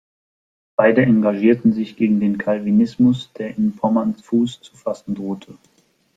Beide engagierten sich gegen den Calvinismus, der in Pommern Fuß zu fassen drohte.